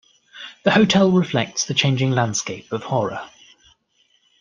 The hotel reflects the changing landscape of Howrah.